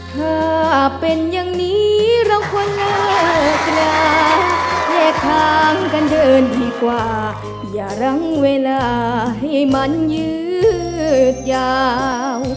ถ้าเป็นอย่างนี้เราควรง่ายนะแยกทางกันเดินดีกว่าอย่ารังเวลาให้มันยืดยาว